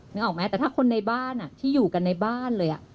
นึกออกไหมแต่ถ้าคนในบ้านที่อยู่กันในบ้านเลย